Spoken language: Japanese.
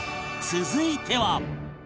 続いては